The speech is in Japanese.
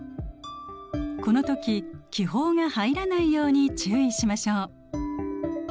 この時気泡が入らないように注意しましょう。